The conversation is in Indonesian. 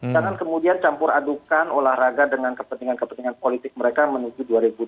dan kemudian campur adukan olahraga dengan kepentingan kepentingan politik mereka menuju dua ribu dua puluh empat